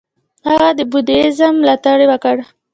هغه د بودیزم ملاتړ وکړ.